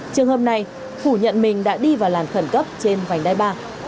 trường hợp này phủ nhận mình đã đi vào làn khẩn cấp trên vành đai ba